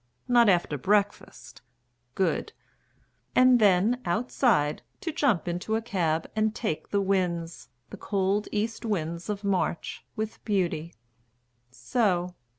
Not after breakfast good; and then outside, To jump into a cab and take the winds, The cold east winds of March, with beauty. So.